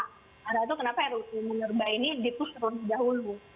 karena itu kenapa minerba ini dipusul lebih dahulu